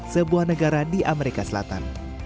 sebuah negara di amerika selatan